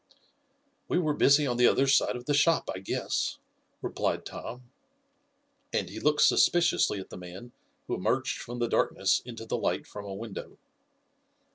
"We were busy on the other side of the shop, I guess," replied Tom, and he looked suspiciously at the man who emerged from the darkness into the light from a window.